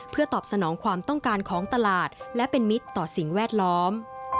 เพื่อตอบสนองความต้องการของตลาดและเป็นมิตรต่อสิ่งแวดล้อม